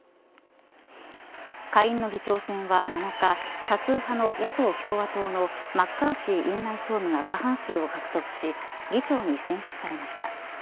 下院の議長選は７日多数派の野党共和党のマッカーシー院内総務が過半数を獲得し議長に選出されました。